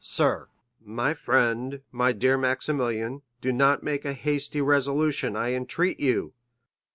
"Sir?" "My friend, my dear Maximilian, do not make a hasty resolution, I entreat you."